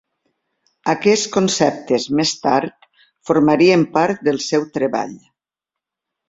Aquests conceptes més tard formarien part del seu treball.